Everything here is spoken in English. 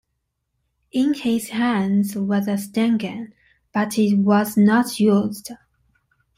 In his hands was a stun gun, but it was not used.